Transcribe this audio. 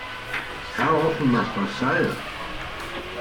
How often must I say it!